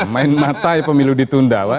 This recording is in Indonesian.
main mata pemilu ditunda